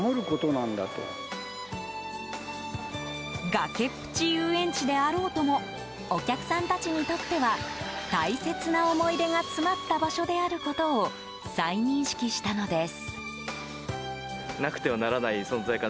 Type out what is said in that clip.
崖っぷち遊園地であろうともお客さんたちにとっては大切な思い出が詰まった場所であることを再認識したのです。